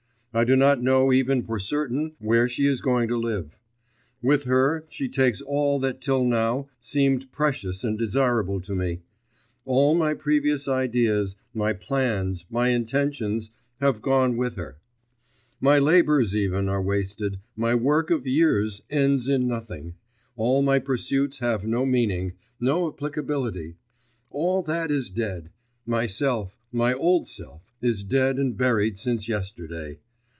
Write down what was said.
I do not know even for certain where she is going to live. With her, she takes all that till now seemed precious and desirable to me; all my previous ideas, my plans, my intentions, have gone with her; my labours even are wasted, my work of years ends in nothing, all my pursuits have no meaning, no applicability; all that is dead; myself, my old self, is dead and buried since yesterday.